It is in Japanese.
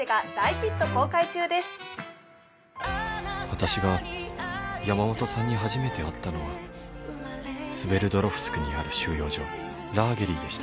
私が山本さんに初めて会ったのはスベルドロフスクにある収容所ラーゲリでした